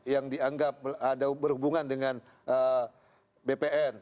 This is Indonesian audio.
yang dianggap ada berhubungan dengan bpn